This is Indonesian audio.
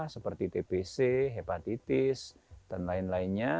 seperti tbc hepatitis dan lain lainnya